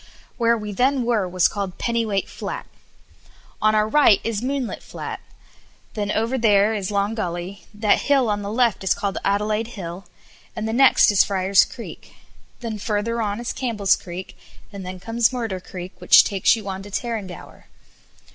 Where we then were was called Pennyweight Flat. "On our right is Moonlight Flat; then over there is Long Gully; that hill on the left is called Adelaide Hill; and the next is Friar's Creek; then further on is Campbell's Creek; and then comes Murder Creek, which takes you on to Tarrangower."